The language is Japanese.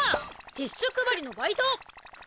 ティッシュ配りのバイト！